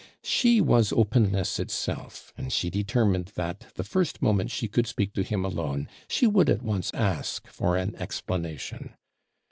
She was openness itself and she determined that, the first moment she could speak to him alone, she would at once ask for an explanation.